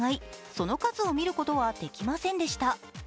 その数を見ることができませんでした。